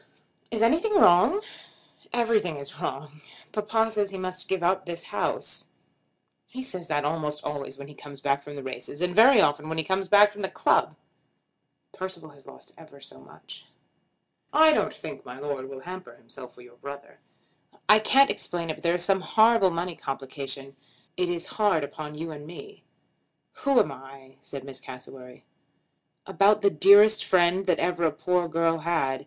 "Is anything wrong?" "Everything is wrong. Papa says he must give up this house." "He says that almost always when he comes back from the races, and very often when he comes back from the club." "Percival has lost ever so much." "I don't think my Lord will hamper himself for your brother." "I can't explain it, but there is some horrible money complication. It is hard upon you and me." "Who am I?" said Miss Cassewary. "About the dearest friend that ever a poor girl had.